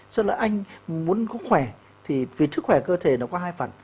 sau đó anh muốn có khỏe thì vì sức khỏe cơ thể nó có hai phần